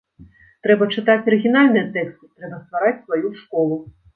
Трэба чытаць арыгінальныя тэксты, трэба ствараць сваю школу.